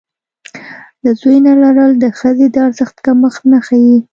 د زوی نه لرل د ښځې د ارزښت کمښت نه ښيي.